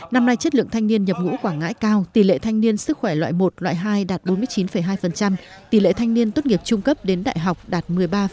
năm nay chất lượng thanh niên nhập ngũ quảng ngãi cao tỷ lệ thanh niên sức khỏe loại một loại hai đạt bốn mươi chín hai tỷ lệ thanh niên tốt nghiệp trung cấp đến đại học đạt một mươi ba